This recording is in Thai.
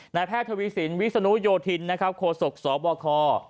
นายแพทย์ทวีสินวิศนุโยธินโคศกสบค